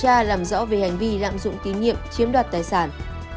hành vi lạm dụng kỷ niệm chiếm đoạt tài sản